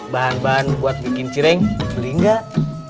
bahan bahan buat bikin cireng beli nggak